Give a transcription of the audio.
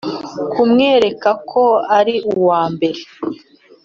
kumwereka ko ari uwa mbere